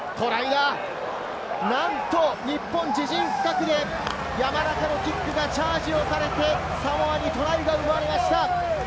なんと日本、自陣深くで山中のキックがチャージをされてサモアにトライが生まれました！